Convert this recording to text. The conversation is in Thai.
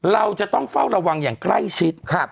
เราจะต้องเฝ้าระวังอย่างใกล้ชิด